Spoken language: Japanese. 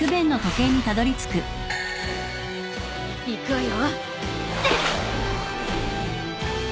いくわよ。